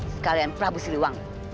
sekalian prabu siliwangi